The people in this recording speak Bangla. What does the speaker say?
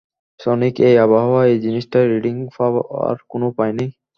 সনিক, এই আবহাওয়ায়, এই জিনিসটায় রিডিং পাবার কোন উপায় নেই!